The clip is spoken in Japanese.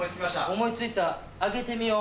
思い付いた当ててみよう。